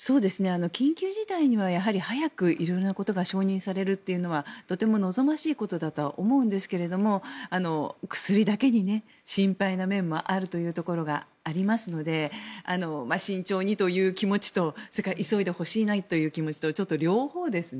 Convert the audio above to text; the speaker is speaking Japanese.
緊急事態には、やはり早く色々なことが承認されるのはとても望ましいことだとは思うんですが薬だけに心配な面もあるというところがありますので慎重にという気持ちと、それから急いでほしいなという気持ちとちょっと両方ですね